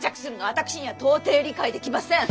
私には到底理解できません！